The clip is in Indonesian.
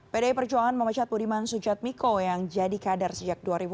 pdi perjuangan pemecat budiman sujadmiko yang jadi kadar sejak dua ribu empat